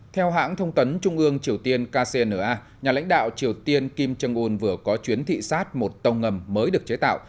theo hãng thông tấn trung ương triều tiên kcna nhà lãnh đạo triều tiên kim jong un vừa có chuyến thị sát một tàu ngầm mới được chế tạo